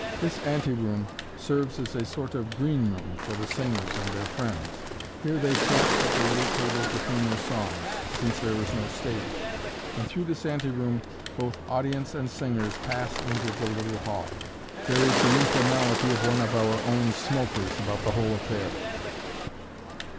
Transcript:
This anteroom serves as a sort of green room for the singers and their friends; here they chat at the little tables between their songs since there is no stage and through this anteroom both audience and singers pass into the little hall. There is the informality of one of our own "smokers" about the whole affair.